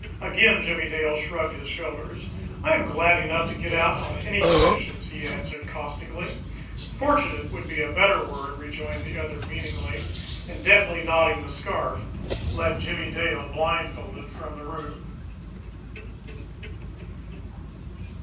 Again Jimmie Dale shrugged his shoulders. "I am glad enough to get out on any conditions," he answered caustically. "'Fortunate' would be the better word," rejoined the other meaningly and, deftly knotting the scarf, led Jimmie Dale blindfolded from the room.